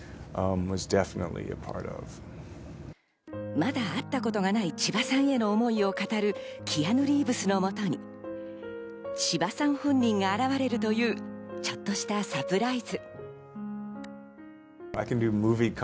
まだ会ったことがない千葉さんへの思いを語るキアヌ・リーブスのもとに千葉さん本人が現れるというちょっとしたサプライズ。